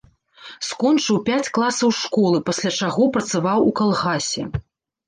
Скончыў пяць класаў школы, пасля чаго працаваў у калгасе.